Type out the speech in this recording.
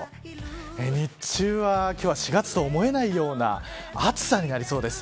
日中は、今日は４月と思えないような暑さになりそうです。